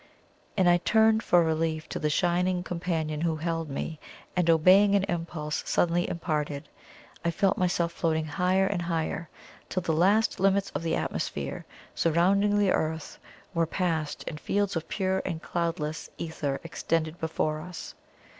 And I turned for relief to the shining companion who held me, and obeying an impulse suddenly imparted, I felt myself floating higher and higher till the last limits of the atmosphere surrounding the Earth were passed, and fields of pure and cloudless ether extended before us.